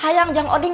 hayang jangan oding